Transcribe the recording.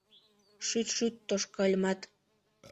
Шӱт-шӱт тошкальымат